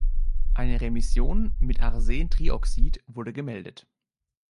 Eine Remission mit Arsentrioxid wurde gemeldet.